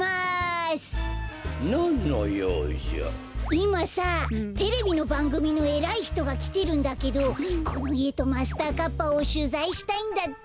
いまさテレビのばんぐみのえらいひとがきてるんだけどこのいえとマスターカッパをしゅざいしたいんだって。